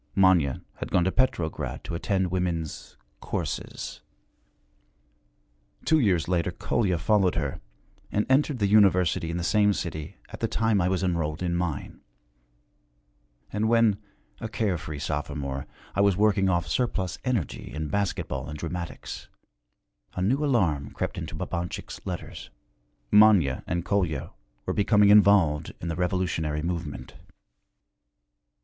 Manya had gone to Petrograd to attend women's 'courses.' Two years later Kolya followed her, and entered the University in the same city at the time I was enrolled in mine. And when, a care free sophomore, I was working off surplus energy in basket ball and dramatics, a new alarm crept into Babanchik's letters. Manya and Kolya were becoming involved in the revolutionary movement.